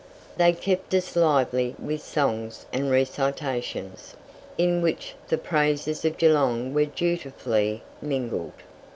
They kept us lively with songs and recitations, in which the praises of Geelong were dutifully mingled.